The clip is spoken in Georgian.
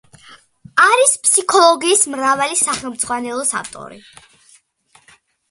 არის ფსიქოლოგიის მრავალი სახელმძღვანელოს ავტორი.